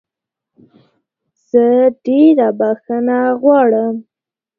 زه ډېره بخښنه غواړم